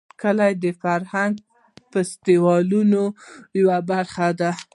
کلي د فرهنګي فستیوالونو یوه برخه ده.